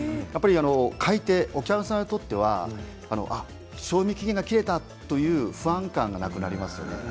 買い手、お客様にとっては賞味期限が切れたという不安感がなくなりますよね。